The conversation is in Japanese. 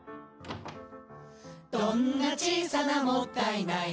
「どんな小さなもったいないも」